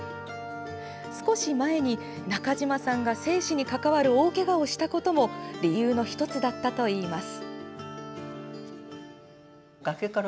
少し前に、中島さんが生死に関わる大けがをしたことも理由の１つだったといいます。